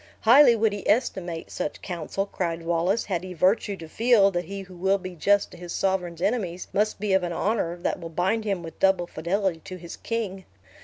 "Highly would he estimate such counsel," cried Wallace, "had he virtue to feel that he who will be just to his sovereign's enemies must be of an honor that will bind him with double fidelity to his king.